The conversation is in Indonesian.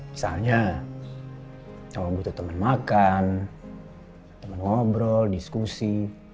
misalnya sama butuh teman makan teman ngobrol diskusi